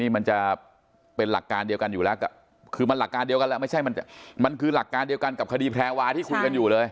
มันจะเป็นหลักการเดียวกันอยู่แล้วคือมันหลักการเดียวกันแล้วไม่ใช่มันคือหลักการเดียวกันกับคดีแพรวาที่คุยกันอยู่เลย